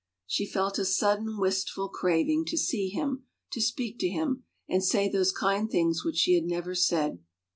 She felt a sudden wistful craving to see him, to speak to him and say those kind things which she had never said.